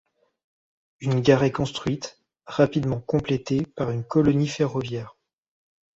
Une gare est construite, rapidement complétée par une colonie ferroviaire.